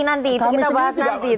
nanti itu kita bahas nanti